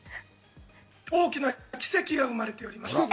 大きな奇跡が生まれております。